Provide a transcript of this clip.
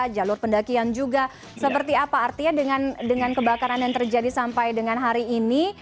jalur pendakian juga seperti apa artinya dengan kebakaran yang terjadi sampai dengan hari ini